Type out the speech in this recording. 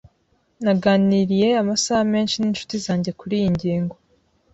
Naganiriye amasaha menshi ninshuti zanjye kuriyi ngingo.